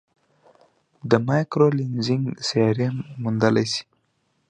د مایکرو لینزینګ سیارې موندلای شي.